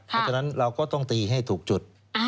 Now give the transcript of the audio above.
เพราะฉะนั้นเราก็ต้องตีให้ถูกจุด